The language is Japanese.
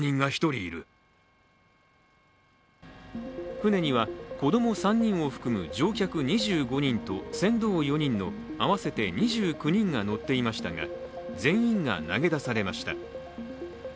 船には子供３人を含む乗客２５人と船頭４人の合わせて２９人が乗っていましたが全員が投げ出されました。